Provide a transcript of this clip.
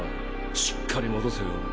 しっかり戻せよ。